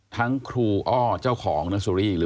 ทั้งครูอ้อเจ้าของเนอร์โซรี